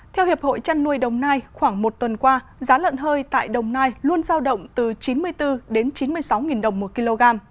theo hiệp hội trăn nuôi đồng nai khoảng một tuần qua giá lợn hơi tại đồng nai luôn giao động từ chín mươi bốn đến chín mươi sáu đồng một kg